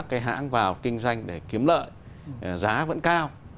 các cái hãng vào kinh doanh để kiếm lợi giá vẫn cao